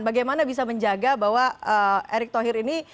bagaimana bisa menjaga bahwa erick thohir ini